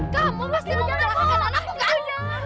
kamu pasti mau menderakan anakku kan